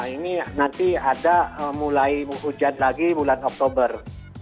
ini nanti ada mulai hujan lagi bulan oktober